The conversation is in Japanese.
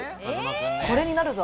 これになるぞ